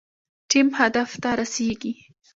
ټیم هدف ته رسیږي